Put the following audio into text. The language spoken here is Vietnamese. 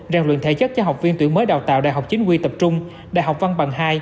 rèn luyện thể chất cho học viên tuyển mới đào tạo đại học chính quy tập trung đại học văn bằng hai